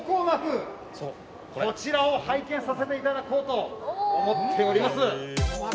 こちらを拝見させて頂こうと思っております。